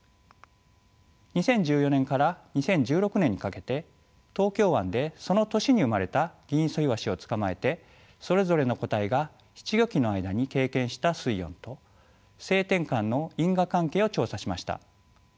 ２０１４年から２０１６年にかけて東京湾でその年に生まれたギンイソイワシを捕まえてそれぞれの個体が仔稚魚期の間に経験した水温と性転換の因果関係を調査しました。